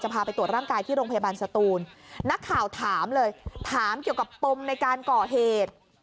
พาไปตรวจร่างกายที่โรงพยาบาลสตูนนักข่าวถามเลยถามเกี่ยวกับปมในการก่อเหตุ